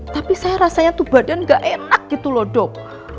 tapi saya rasanya tuh badan gak enak gitu loh dok